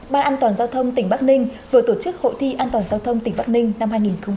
ban an toàn giao thông tỉnh bắc ninh vừa tổ chức hội thi an toàn giao thông tỉnh bắc ninh năm hai nghìn một mươi chín